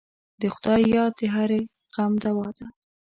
د خدای یاد د هرې غم دوا ده.